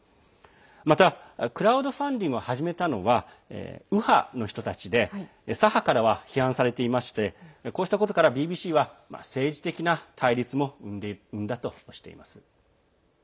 またクラウドファンディングを始めたのは右派の人たちで左派からは批判されていましてこうしたことからＢＢＣは政治的な対立も生んだとしています。